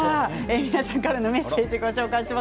皆さんからのメッセージをご紹介します。